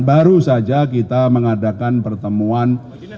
baru saja kita mengadakan pertemuan